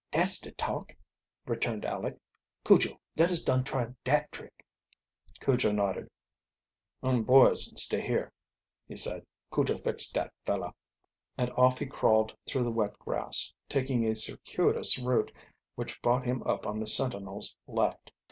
"Dat's de talk," returned Aleck. "Cujo, let us dun try dat trick." Cujo nodded. "Urn boys stay here," he said. "Cujo fix dat feller!" And off he crawled through the wet grass, taking a circuitous route which brought him up on the sentinel's left.